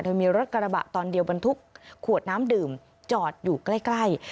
โดยมีรถกระบะตอนเดียวบรรทุกขวดน้ำดื่มจอดอยู่ใกล้